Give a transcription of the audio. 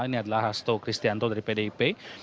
ini adalah hasto kristianto dari pdip